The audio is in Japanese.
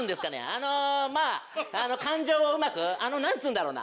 あのまぁ感情をうまくあの何つうんだろな。